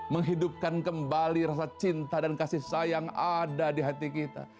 menghidupkan kembali rasa cinta dan kasih sayang ada di hati kita